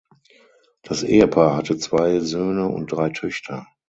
Das Ehepaar hatte zwei Söhne und drei Töchter.